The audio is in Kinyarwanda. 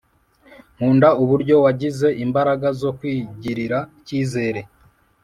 nkunda uburyo wagize imbaraga zo kwigirira ikizere